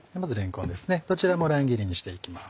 こちらも乱切りにして行きます。